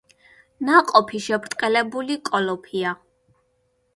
ნაყოფი შებრტყელებული კოლოფია.